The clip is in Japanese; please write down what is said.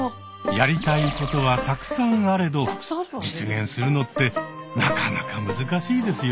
やりたいことはたくさんあれど実現するのってなかなか難しいですよね。